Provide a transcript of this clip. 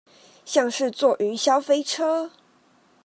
像是坐雲霄飛車